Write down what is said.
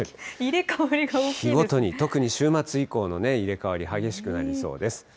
日ごとに、特に週末以降の入れ替わり激しくなりそうです。